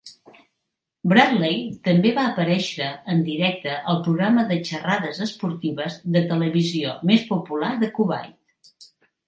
Bradley també va aparèixer en directe al programa de xerrades esportives de televisió més popular de Kuwait.